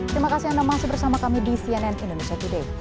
terima kasih anda masih bersama kami di cnn indonesia today